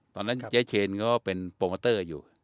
เพราะฉะนั้นเจ๊เชนก็เป็นโปรมาเตอร์อยู่